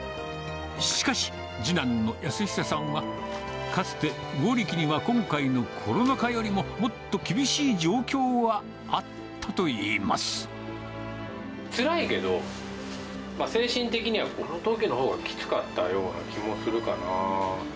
しかし、次男の安久さんは、かつて魚力には今回のコロナ禍よりももっと厳しい状況はあったとつらいけど、精神的にはあのときのほうがきつかったような気もするかな。